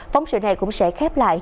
phóng sự này cũng sẽ khép lại